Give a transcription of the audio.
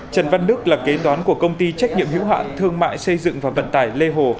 trần văn đức là kế toán của công ty trách nhiệm hữu hạn thương mại xây dựng và vận tải lê hồ